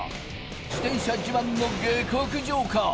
自転車自慢の下克上か？